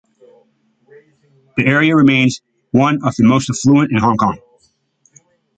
The area remains one of the most affluent in Hong Kong.